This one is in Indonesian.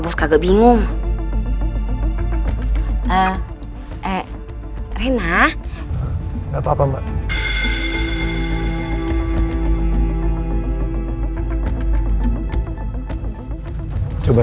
bikin jantung gua deg degan aja dah